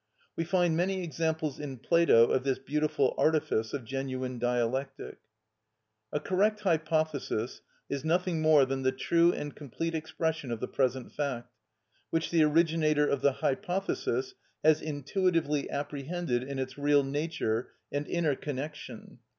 We find many examples in Plato of this beautiful artifice of genuine dialectic. A correct hypothesis is nothing more than the true and complete expression of the present fact, which the originator of the hypothesis has intuitively apprehended in its real nature and inner connection.